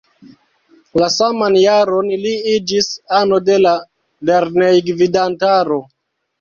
La saman jaron li iĝis ano de la lernejgvidantaro.